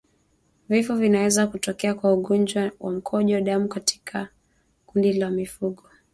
Vifo vinaweza kutokea kwa ugonjwa wa mkojo damu katika kundi la mifugo